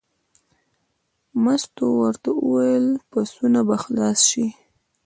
مستو ورته وویل: پسونه به خلاص شي.